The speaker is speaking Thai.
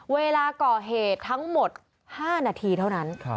เวลาก่อเหตุทั้งหมด๕นาทีเท่านั้น